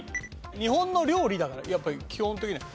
「日本の料理」だからやっぱり基本的には。